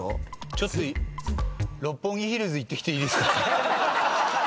ちょっと六本木ヒルズ行ってきていいですか？